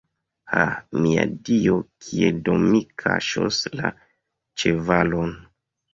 Ha, mia Dio, kie do mi kaŝos la ĉevalon.